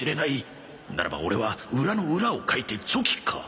ならばオレは裏の裏をかいてチョキか